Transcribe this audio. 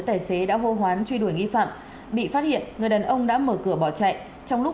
tài xế đã hô hoán truy đuổi nghi phạm bị phát hiện người đàn ông đã mở cửa bỏ chạy trong lúc